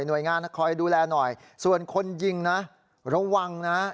โดยงานคอยดูแลหน่อยส่วนคนยิงนะระวังนะ